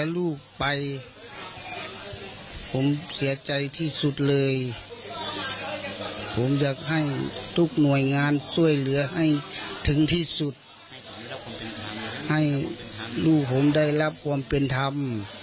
ลูกผมได้รับความเป็นธรรม